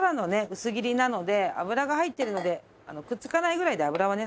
薄切りなので脂が入ってるのでくっつかないぐらいで油はね